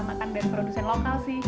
makan dari produsen lokal sih